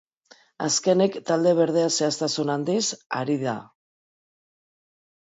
Azkenik, talde berdea zehaztasun handiz ari da.